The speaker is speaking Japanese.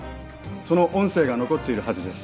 その音声が残っているはずです